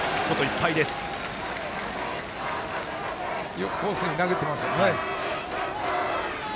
よくコースに投げています。